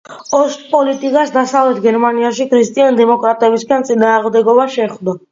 ოსთპოლიტიკას დასავლეთ გერმანიაში ქრისტიან-დემოკრატებისგან წინააღმდეგობა შეხვდა.